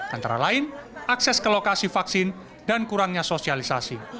antara lain akses ke lokasi vaksin dan kurangnya sosialisasi